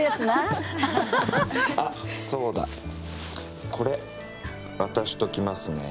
そうだこれ渡しときますね